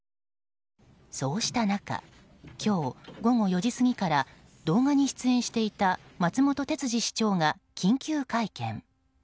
そうした中今日午後４時過ぎから動画に出演していた松本哲治市長が緊急会見。